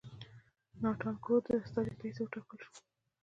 ناتان کرو د استازي په حیث وټاکل شو.